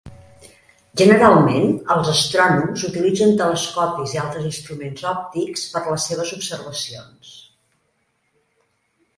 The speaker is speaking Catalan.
Generalment, els astrònoms utilitzen telescopis i altres instruments òptics per a les seves observacions.